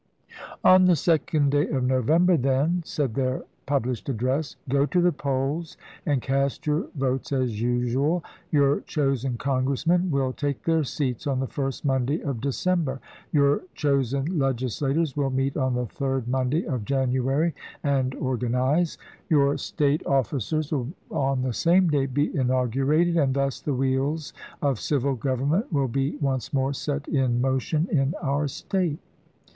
" On the second day of November, then," said their pub lished address, " go to the polls and cast your votes as usual; your chosen Congressmen will take their seats on the first Monday of December ; your chosen Legislators will meet on the third Monday of January and organize ; your State of ficers will on the same day be inaugurated ; and thus the wheels of civil government will be once more set in motion in our State."